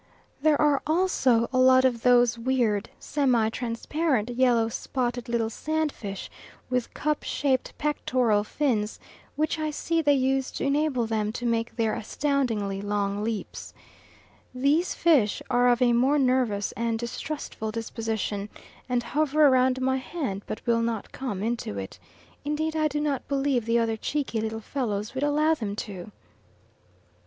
There are also a lot of those weird, semi transparent, yellow, spotted little sandfish with cup shaped pectoral fins, which I see they use to enable them to make their astoundingly long leaps. These fish are of a more nervous and distrustful disposition, and hover round my hand but will not come into it. Indeed I do not believe the other cheeky little fellows would allow them to.